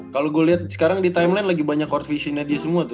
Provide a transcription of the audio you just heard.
kalau gua liat sekarang di timeline lagi banyak court visionnya dia semua tuh